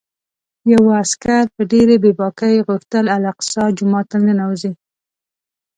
یوه عسکر په ډېرې بې باکۍ غوښتل الاقصی جومات ته ننوځي.